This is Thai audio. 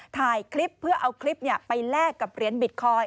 ถ่ายคลิปเพื่อเอาคลิปไปแลกกับเหรียญบิตคอยน